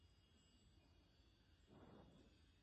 Por esto, huyó a las tierras de su abuela en Champaña.